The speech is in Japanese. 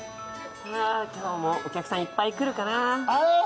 今日もお客さんいっぱいくるかな？